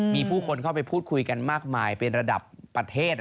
มีผู้คนเข้าไปพูดคุยกันมากมายเป็นระดับประเทศ